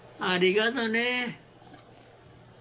ありがとうね。